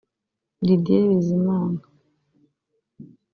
Didier Bizimana